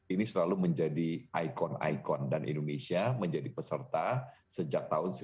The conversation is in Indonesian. ini selalu menjadi ikon ikon dan indonesia menjadi peserta sejak tahun seribu sembilan ratus sembilan puluh